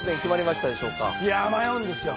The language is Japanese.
いや迷うんですよ。